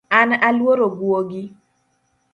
An aluoro gwogi